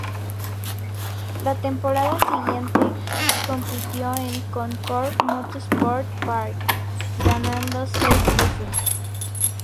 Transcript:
La temporada siguiente, compitió en Concord Motorsports Park, ganando seis veces.